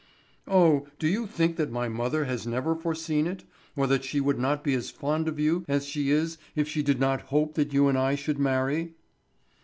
"Oh, do you think that my mother has never foreseen it, or that she would not be as fond of you as she is if she did not hope that you and I should marry?"